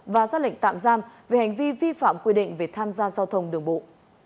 và ra lệnh tạm giam về hành vi vi phạm quy định về tham gia giao thông đường bộ